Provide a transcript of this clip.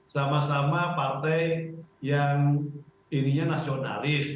sama sama partai yang ininya nasionalis